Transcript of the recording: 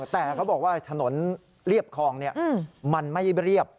แต่เขาบอกว่าถนนเรียบคลองมันไม่เรียบ